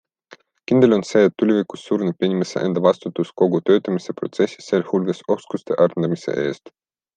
Kindel on see, et tulevikus suureneb inimese enda vastutus kogu töötamise protsessi, sealhulgas oskuste arendamise eest.